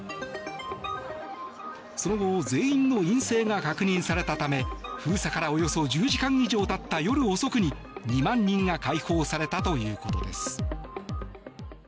その後全員の陰性が確認されたため封鎖からおよそ１０時間以上経った夜遅くに２万人が解放されたということです。